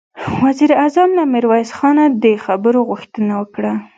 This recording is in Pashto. وزير اعظم له ميرويس خانه د خبرو غوښتنه وکړه.